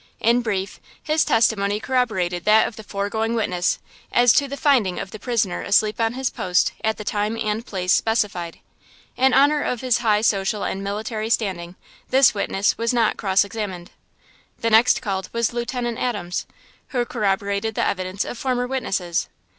In brief, his testimony corroborated that of the foregoing witness, as to the finding of the prisoner asleep on his post at the time and place specified. In honor of his high social and military standing, this witness was not cross examined. The next called was Lieutenant Adams, who corroborated the evidence of former witnesses.